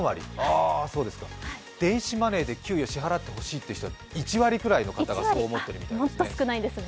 そうですか、電子マネーで給与を支払ってほしいという方は１割くらいの方がそう思っているらしいですね。